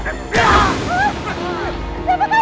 siapa yang akan menang